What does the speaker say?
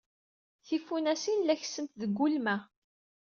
Tifunasin la kessent deg welma.